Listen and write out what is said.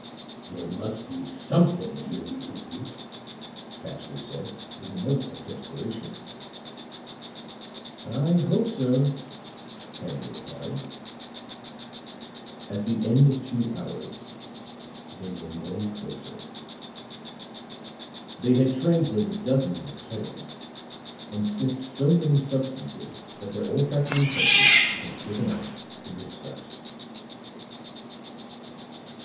"There must be something here we can eat," Casker said with a note of desperation. "I hope so," Hellman replied. At the end of two hours, they were no closer. They had translated dozens of titles and sniffed so many substances that their olfactory senses had given up in disgust.